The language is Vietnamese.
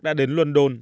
đã đến london